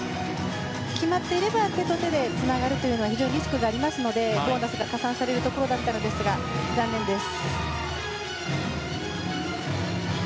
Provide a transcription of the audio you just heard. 決まっていれば手と手がつながるというのは非常にリスクがありますのでボーナスが加算されるところでしたが、残念です。